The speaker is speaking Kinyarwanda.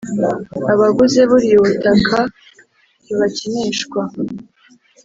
abaguze buriya butaka ntibakinishwa